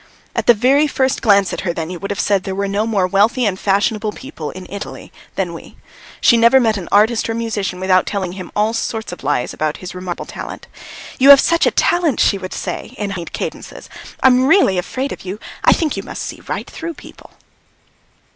At the very first glance at her then, you would have said there were no more wealthy and fashionable people in Italy than we. She never met an artist or a musician without telling him all sorts of lies about his remarkable talent. "You have such a talent!" she would say, in honeyed cadences, "I'm really afraid of you. I think you must see right through people."